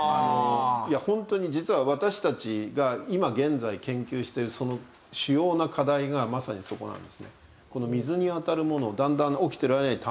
いやホントに実は私たちが今現在研究しているその主要な課題がまさにそこなんですね。